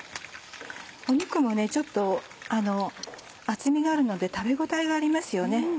肉もちょっと厚みがあるので食べ応えがありますよね。